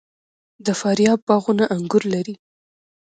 د فاریاب باغونه انګور لري.